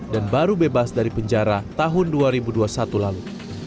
dan baru bebas dari penjara tahun dua ribu dua puluh satu lalu